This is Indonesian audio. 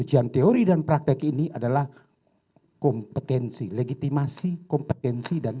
ujian teori dan praktek ini adalah kompetensi legitimasi kompetensi dan